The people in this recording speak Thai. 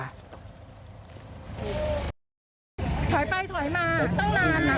ถอยไปถอยมาตั้งนานนะคะนานเลยถอยไปถอยมาอีกตั้งนาน